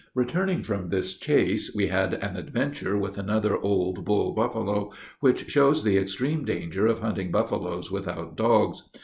Returning from this chase, we had an adventure with another old bull buffalo, which shows the extreme danger of hunting buffaloes without dogs.